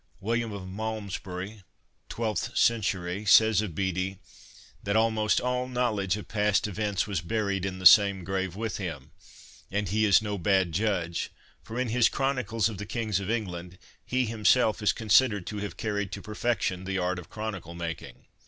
William of Malmesbury (twelfth century) says of Bede, " That almost all knowledge of past events was buried in the same grave with him "; and he is no bad judge, for in his Chronicles of the Kings of England he himself is considered to have carried to perfection the art of chronicle making.